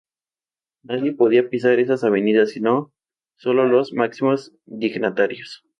Nadie podía pisar esas avenidas, sino sólo los máximos dignatarios.